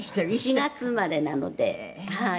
「４月生まれなのではい」